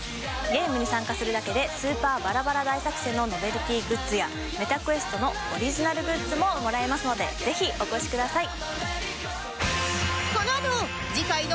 ゲームに参加するだけでスーパーバラバラ大作戦のノベルティーグッズやＭｅｔａＱｕｅｓｔのオリジナルグッズももらえますのでぜひお越しください。